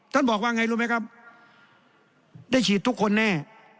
บอกว่าไงรู้ไหมครับได้ฉีดทุกคนแน่